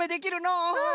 うん。